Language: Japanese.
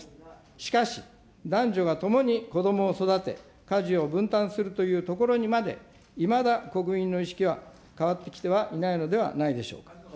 しかし、男女が共に子どもを育て、家事を分担するというところにまで、いまだ国民の意識は変わってきてはいないのではないでしょうか。